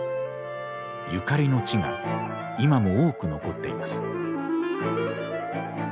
ゆかりの地が今も多く残っています。